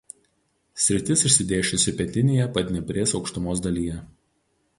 Sritis išsidėsčiusi pietinėje Padnieprės aukštumos dalyje.